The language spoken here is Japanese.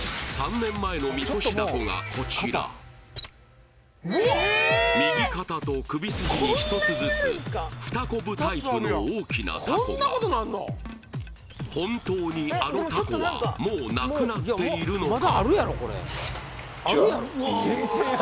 こちら右肩と首筋に一つずつの大きなタコが本当にあのタコはもうなくなっているのか